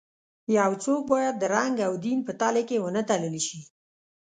یو څوک باید د رنګ او دین په تلې کې ونه تلل شي.